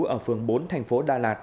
ở phường bốn thành phố đà lạt